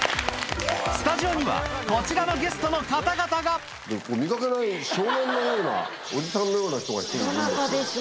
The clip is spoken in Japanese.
スタジオにはこちらのゲストの方々が見掛けない少年のようなおじさんのような人が１人いるんですけど。